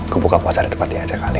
gue buka puasa di tempat dia aja kali